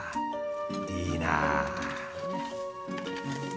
いいなあ。